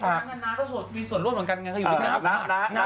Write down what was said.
น้าก็มีส่วนร่วมเหลืองัน๑๙๔๒